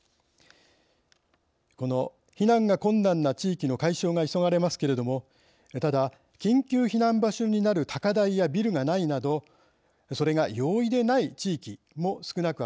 この避難が困難な地域の解消が急がれますけれどもただ緊急避難場所になる高台やビルがないなどそれが容易でない地域も少なくありません。